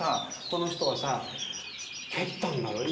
この人はさ蹴ったんだろう？